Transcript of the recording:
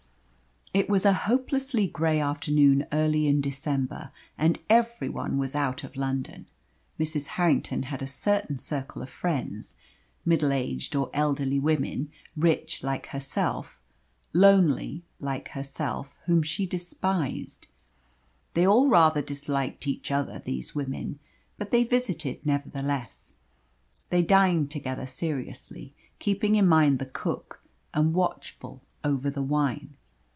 It was a hopelessly grey afternoon early in December, and every one was out of London. Mrs. Harrington had a certain circle of friends middle aged or elderly women, rich like herself, lonely like herself whom she despised. They all rather disliked each other, these women, but they visited nevertheless. They dined together seriously; keeping in mind the cook, and watchful over the wine.